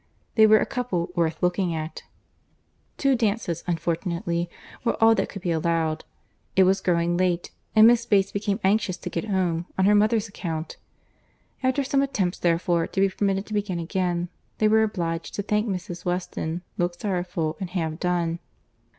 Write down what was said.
They were a couple worth looking at. Two dances, unfortunately, were all that could be allowed. It was growing late, and Miss Bates became anxious to get home, on her mother's account. After some attempts, therefore, to be permitted to begin again, they were obliged to thank Mrs. Weston, look sorrowful, and have done.